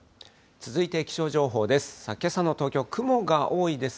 続いて気象情報です。